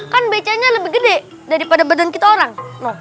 kan becanya lebih gede daripada badan kita orang